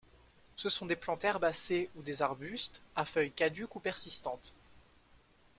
Ce sont des plantes herbacées ou des arbustes, à feuilles caduques ou persistantes.